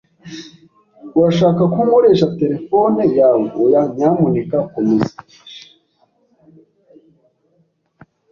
"Urashaka ko nkoresha terefone yawe?" "Oya, nyamuneka komeza."